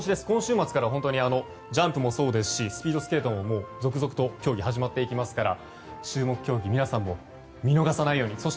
今週末からジャンプもそうですしスピードスケートも続々と競技が始まっていきますから注目競技皆さんも見逃さないように。